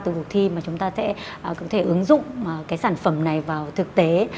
từ cuộc thi mà chúng ta cũng thể ứng dụng cái sản phẩm này vào thực tế